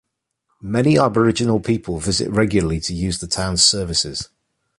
Many Aboriginal people visit regularly to use the town's services.